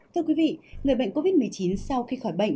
thưa quý vị người bệnh covid một mươi chín sau khi khỏi bệnh